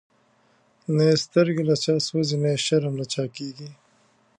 نه یی سترگی له چا سوځی، نه یی شرم له چا کیږی